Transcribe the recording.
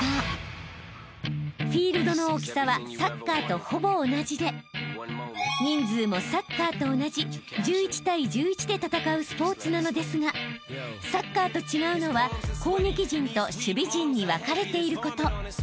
［フィールドの大きさはサッカーとほぼ同じで人数もサッカーと同じ１１対１１で戦うスポーツなのですがサッカーと違うのは攻撃陣と守備陣に分かれていること］